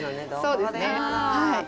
そうですねはい。